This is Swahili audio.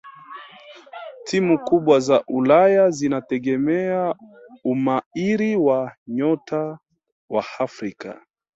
timu kubwa za ulaya zinategemea umahiri wa nyota wa afrika